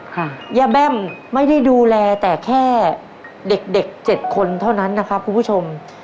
ย่าแบ้มไม่ได้ดูแลแต่แค่เด็กเด็กเจ็ดคนเท่านั้นนะครับคุณผู้ชม